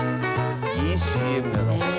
いいＣＭやなこれ。